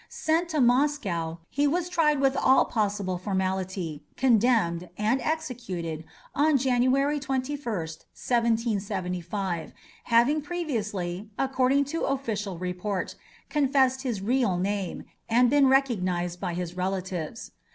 Sent to Moscow, he was tried with all possible formality, condemned, and executed on January 21st, 1775, having previously, according to official report, confessed his real name, and been recognized by his relatives.